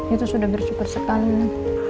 itu sudah bersyukur sekali